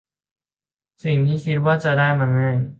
สิ่งที่คิดว่าจะได้มาง่าย